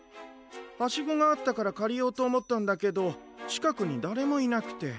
ハシゴがあったからかりようとおもったんだけどちかくにだれもいなくて。